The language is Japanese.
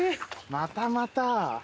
またまた。